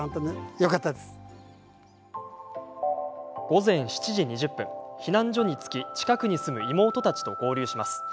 午前７時２０分、避難所に着き近くに住む妹たちと合流します。